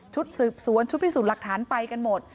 สืบสวนชุดพิสูจน์หลักฐานไปกันหมด